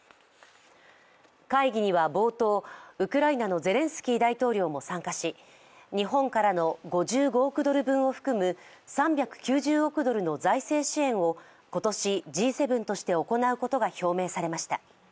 会議には冒頭、ウクライナのゼレンスキー大統領も参加し日本からの５５億ドル分を含む３９０億ドルの財政支援を今年、Ｇ７として行うことが表明されました。